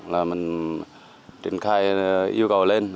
là mình triển khai yêu cầu lên